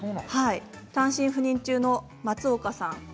単身赴任中の松岡さん